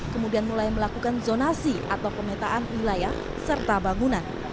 kemudian mulai melakukan zonasi atau pemetaan wilayah serta bangunan